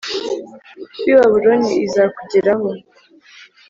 W i babuloni izakugeraho